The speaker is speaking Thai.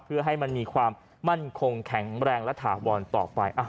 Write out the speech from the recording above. เพื่อให้มันมีความมั่นคงแข็งแรงและถาวรต่อไป